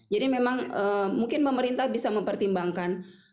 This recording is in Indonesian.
memang mungkin pemerintah bisa mempertimbangkan